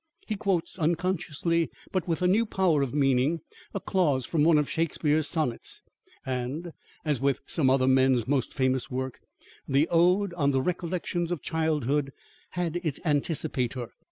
He quotes unconsciously, but with new power of meaning, a clause from one of Shakespeare's sonnets; and, as with some other men's most famous work, the Ode on the Recollections of Childhood had its anticipator.